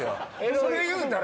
それ言うたら。